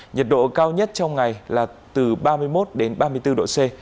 nhiệt độ cao nhất trong ngày là từ ba mươi một đến ba mươi bốn độ c